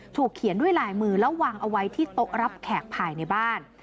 เขียนด้วยลายมือแล้ววางเอาไว้ที่โต๊ะรับแขกภายในบ้าน